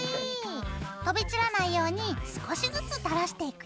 飛び散らないように少しずつ垂らしていくよ。